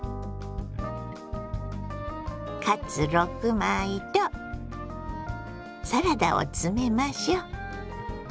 カツ６枚とサラダを詰めましょ。